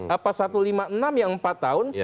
apa satu ratus lima puluh enam yang empat tahun